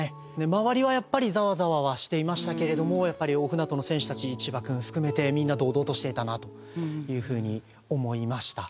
周りはやっぱりザワザワはしていましたけれどもやっぱり大船渡の選手たち千葉君含めてみんな堂々としていたなというふうに思いました。